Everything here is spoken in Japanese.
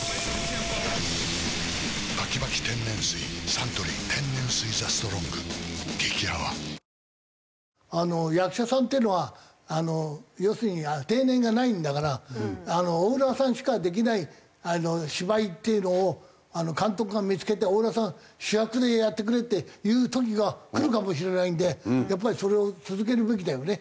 サントリー天然水「ＴＨＥＳＴＲＯＮＧ」激泡役者さんっていうのは要するに定年がないんだから大浦さんしかできない芝居っていうのを監督が見付けて「大浦さん主役でやってくれ」っていう時がくるかもしれないんでやっぱりそれを続けるべきだよね。